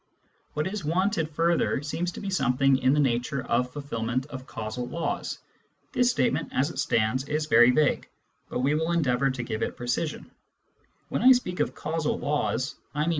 What is wanted further seems to be something in the nature of fulfilment of causal laws. This statement, as it stands, is very vague, but we will endeavour to give it precision. When I speak of causal law s," I mean